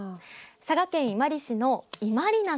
佐賀県伊万里市の伊万里梨